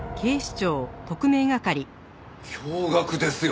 驚愕ですよ！